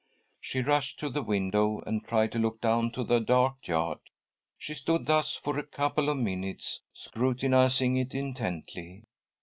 She rushed to the window and tried to look down to the dark yard. She stood thus for a couple of minutes, scrutinising it intently.